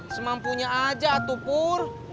semampunya aja tuh pur